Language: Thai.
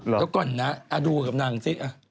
เดี๋ยวก่อนนะดูกับนางสิ